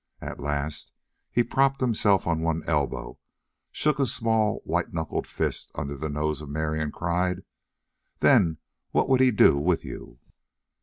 At last he propped himself on one elbow, shook a small, white knuckled fist under the nose of Mary, and cried: "Then what would he do with you?"